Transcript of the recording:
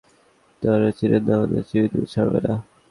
আর আপনি এসব স্টুডেন্টদের ভালো করে চিনেন তারা আমাদের জীবিত ছাড়বে না।